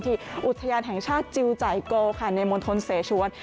ที่อุทยานแห่งชาติจิวไจโกค่ะในมณฑลเสชวน